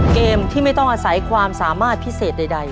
เกมที่ไม่ต้องอาศัยความสามารถพิเศษใด